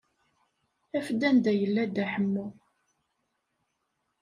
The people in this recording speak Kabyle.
Afet-d anda yella Dda Ḥemmu.